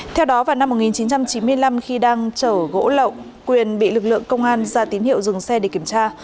theo đó vào năm một nghìn chín trăm chín mươi năm khi đang chở gỗ lậu quyền bị lực lượng công an ra tín hiệu dừng xe để kiểm tra